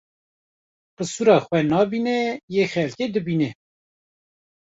Qisura xwe nabîne yê xelkê dibîne